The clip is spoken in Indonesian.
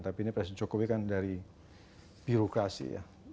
tapi ini presiden jokowi kan dari birokrasi ya